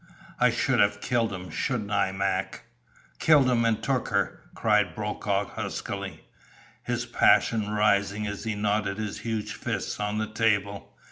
"I should have killed him, shouldn't I, Mac killed him an' took her?" cried Brokaw huskily, his passion rising as he knotted his huge fists on the table.